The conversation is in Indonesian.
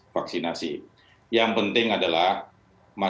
maka ada beberapa kesalahan